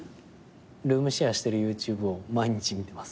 ルームシェアしてるＹｏｕＴｕｂｅを毎日見てます。